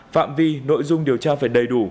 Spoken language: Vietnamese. phạm vi nội dung điều tra phải đầy đủ